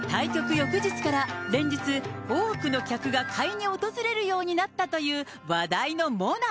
翌日から連日、多くの客が買いに訪れるようになったという話題の最中。